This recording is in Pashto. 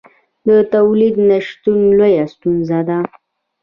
د تولید نشتون لویه ستونزه ده.